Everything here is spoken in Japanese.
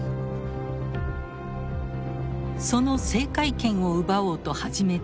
その制海権を奪おうと始めた戦い。